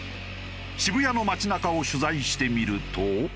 渋谷の街なかを取材してみると。